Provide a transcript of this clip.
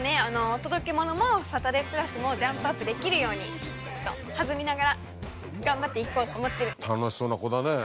『お届けモノ』も『サタデープラス』もジャンプアップできるようにちょっと弾みながら頑張っていこうと思ってる。